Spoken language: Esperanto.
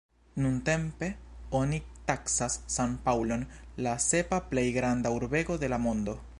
Nuntempe oni taksas San-Paŭlon la sepa plej granda urbego de la mondo.